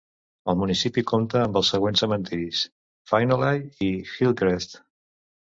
El municipi compta amb els següents cementiris: Finnelly i Hillcrest.